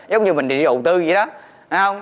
giống như mình đi đầu tư vậy đó